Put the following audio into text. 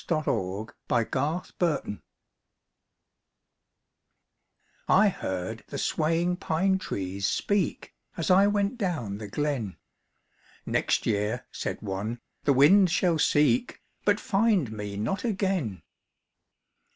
WHAT THE PINE TREES SAID I heard the swaying pine trees speak, As I went down the glen: "Next year," said one, "the wind shall seek, But find me not again!"